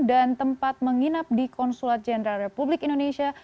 tempat menginap di konsulat jenderal republik indonesia